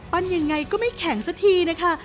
ยังไงก็ไม่แข็งสักทีนะคะ